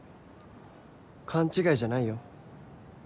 勘違いじゃないよ。